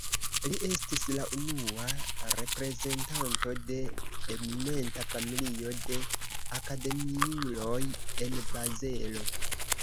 Li estis la unua reprezentanto de eminenta familio de akademiuloj en Bazelo.